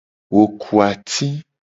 Wo ku ati.